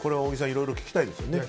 いろいろ聞きたいですよね。